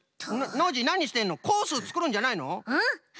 ノージーなにしてんの？コースをつくるんじゃないの？